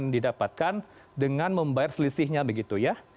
didapatkan dengan membayar selisihnya begitu ya